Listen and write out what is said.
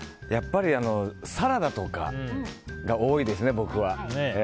やっぱりサラダとかが多いですね、僕は。